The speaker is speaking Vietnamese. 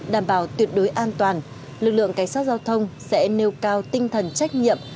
đảm bảo tuyệt đối an toàn lực lượng cảnh sát giao thông sẽ nêu cao tinh thần trách nhiệm